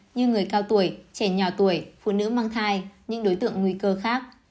như người cao tuổi trẻ nhỏ tuổi phụ nữ mang thai những đối tượng nguy cơ khác